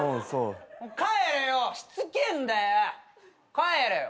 帰れよ。